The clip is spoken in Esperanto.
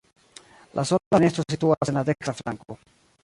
La sola fenestro situas en la dekstra flanko.